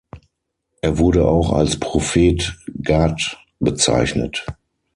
Er wurde auch als "Prophet Gad" bezeichnet.